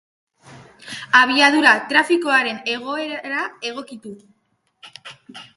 Abiadura trafikoaren egoerara egokitu.